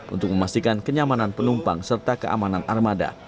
untuk memastikan kenyamanan penumpang serta keamanan armada